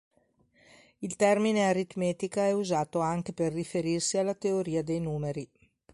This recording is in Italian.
Il termine "aritmetica" è usato anche per riferirsi alla teoria dei numeri.